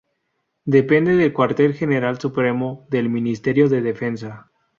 Depende del Cuartel General Supremo del Ministerio de Defensa.